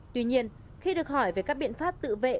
tuy nhiên khi được hỏi về các biện pháp tự vệ